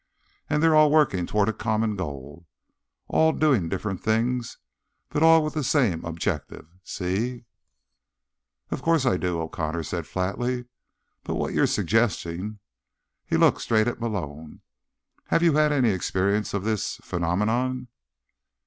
And they're all working toward a common goal. All doing different things, but all with the same objective. See?" "Of course I do," O'Connor said flatly. "But what you're suggesting—" He looked straight at Malone. "Have you had any experience of this ... phenomenon?"